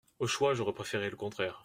Au choix, j’aurais préféré le contraire.